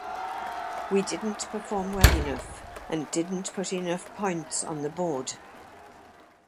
We didn’t perform well enough and didn’t put enough points on the board.